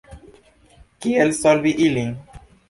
Kiel solvi ilin?